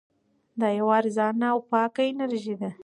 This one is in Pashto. دا یوه ارزانه او پاکه انرژي ده.